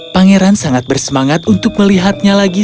pangeran sangat bersemangat untuk melihatnya lagi